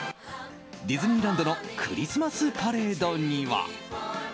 ディズニーランドのクリスマスパレードには。